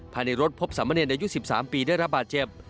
ภายในรถพบสามเนรอายุ๑๓ปีได้รับบาดเจ็บ